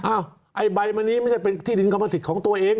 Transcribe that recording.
ไอ้ใบมะนี้ไม่ใช่เป็นที่ดินกรรมสิทธิ์ของตัวเอง